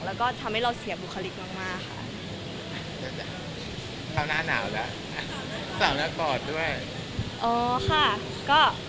และทำให้เราเสียบุคลิกมาก